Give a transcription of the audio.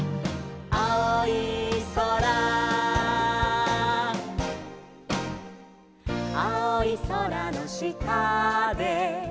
「あおいそら」「あおいそらのしたで」